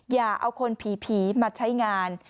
อย่าเอาคนผีมาใช้งาน